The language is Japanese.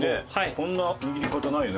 こんな握り方ないよね